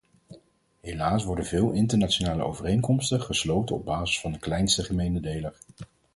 Helaas worden veel internationale overeenkomsten gesloten op basis van de kleinste gemene deler.